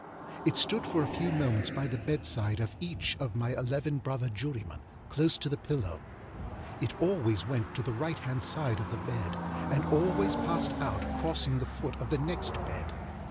It stood for a few moments by the bedside of each of my eleven brother jurymen, close to the pillow. It always went to the right hand side of the bed, and always passed out crossing the foot of the next bed.